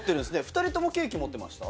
２人ともケーキ持ってました？